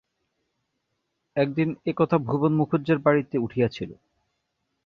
একদিন এ কথা ভুবন মুখুজ্যের বাড়িতে উঠিয়াছিল।